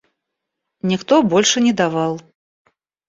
Никто больше не давал.